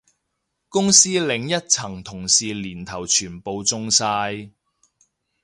公司另一層同事年頭全部中晒